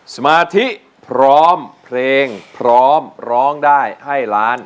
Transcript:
สมาธิพร้อมเพลงพร้อมร้องได้ให้ล้าน